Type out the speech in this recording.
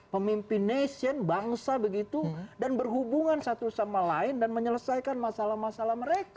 pemimpin nation bangsa begitu dan berhubungan satu sama lain dan menyelesaikan masalah masalah mereka